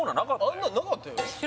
あんなのなかったよ